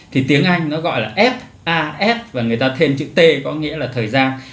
thì tiếng anh nó gọi là fas và người ta thêm chữ t có nghĩa là thời gian